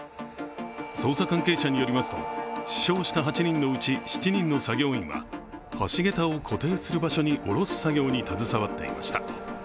捜査関係者によりますと、死傷した８人のうち７人の作業員は橋桁を固定する場所に降ろす作業に携わっていました。